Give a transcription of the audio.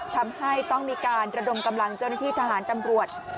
ทำให้ต้องมีการระดมกำลังเจ้าหน้าที่ทหารตำรวจ